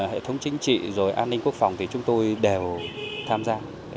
hệ thống chính trị rồi an ninh quốc phòng thì chúng tôi đều tham gia